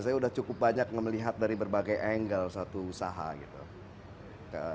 saya sudah cukup banyak melihat dari berbagai angle satu usaha gitu